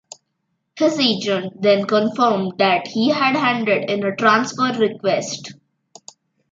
His agent then confirmed that he had handed in a transfer request.